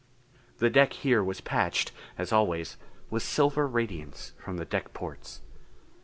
The deck here was patched as always, with silver radiance from the deck ports.